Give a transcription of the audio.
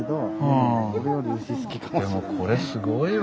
でもこれすごいわ。